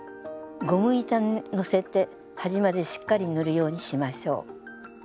ゴム板にのせて端までしっかり塗るようにしましょう。